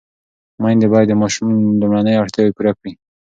مېندې باید د ماشوم لومړني اړتیاوې پوره کړي.